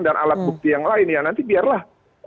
dan alat bukti yang lain ya nanti biarlah